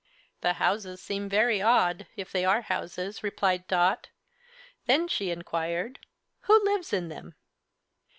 "The houses seem very odd if they are houses," replied Dot. Then she enquired: "Who lives in them?"